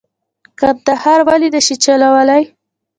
کندهار ولې نه شي چلولای.